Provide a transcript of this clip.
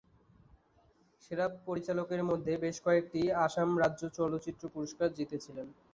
সেরা পরিচালকের মধ্যে বেশ কয়েকটি আসাম রাজ্য চলচ্চিত্র পুরস্কার জিতেছিলেন।